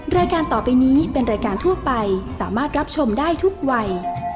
รายการต่อไปนี้เป็นรายการทั่วไปสามารถรับชมได้ทุกวัย